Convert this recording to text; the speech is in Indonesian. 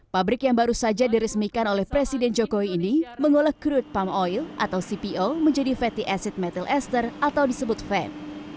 pabrik yang baru saja diresmikan oleh presiden jokowi ini mengolah crude palm oil atau cpo menjadi fatty acid methyl ester atau disebut van